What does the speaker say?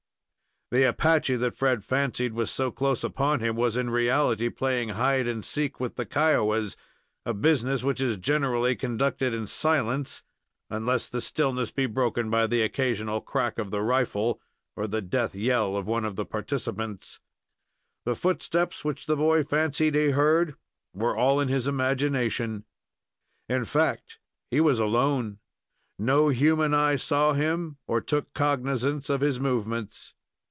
The Apache that Fred fancied was so close upon him was, in reality, playing hide and seek with the Kiowas, a business which is generally conducted in silence, unless the stillness be broken by the occasional crack of the rifle, or the death yell of one of the participants. The footsteps which the boy fancied he heard were all in his imagination. In fact, he was alone. No human eye saw him, or took cognizance of his movements.